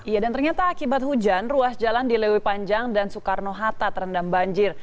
iya dan ternyata akibat hujan ruas jalan di lewi panjang dan soekarno hatta terendam banjir